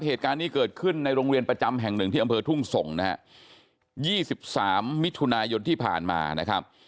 เหตุการณ์นี้เกิดขึ้นในโรงเรียนประจำแห่งหนึ่งที่อำเภอทุ่งส่งนะฮะ๒๓มิถุนายนที่ผ่านมานะครับ